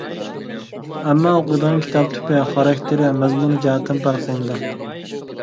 ئەمما ئوقۇيدىغان كىتاب تىپى، خاراكتېرى، مەزمۇنى جەھەتتىن پەرقلىنىدۇ.